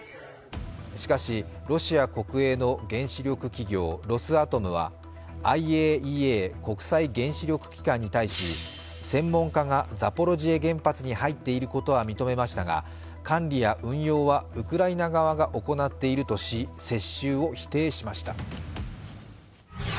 しかし、ロシア国営の原子力企業、ロスアトムは、ＩＡＥＡ＝国際原子力機関に対し専門家がザポロジエ原発に入っていることは認めましたが、管理や運用はウクライナ側が行っているとし接収を否定しました。